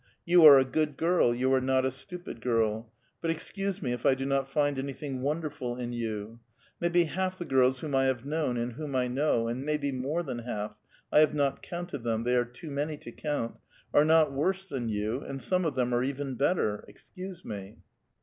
You are a good girl; you are not a stupid girl ; but excuse me if 1 do not find any thing wonderful in you ; maybe half the girls whom I have known and Avhom I know, and mavbe more than half — I have not counted them ; they are too many to count — are not worse than vou, and some of them are even better. Excuse me.